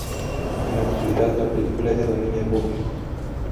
En la actualidad, la película es de dominio público.